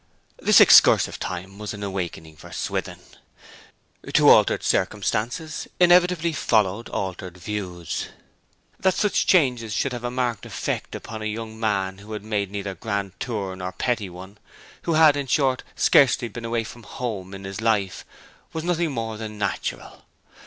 This excursive time was an awakening for Swithin. To altered circumstances inevitably followed altered views. That such changes should have a marked effect upon a young man who had made neither grand tour nor petty one who had, in short, scarcely been away from home in his life was nothing more than natural.